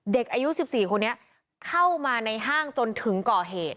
เด็กอายุ๑๔คนนี้เข้ามาในห้างจนถึงก่อเหตุ